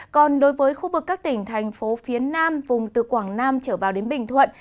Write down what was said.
còn đối với khu vực các tỉnh thành phố phía nam vùng từ quảng nam trở vào đến bình thuận